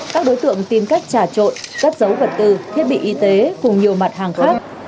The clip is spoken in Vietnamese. các đối tượng tìm cách trả trội cắt giấu vật tư thiết bị y tế cùng nhiều mặt hàng khác